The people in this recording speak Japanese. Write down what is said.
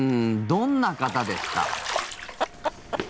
どんな方ですか？